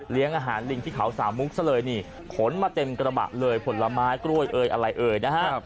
อาหารลิงที่เขาสามมุกซะเลยนี่ขนมาเต็มกระบะเลยผลไม้กล้วยเอ่ยอะไรเอ่ยนะฮะ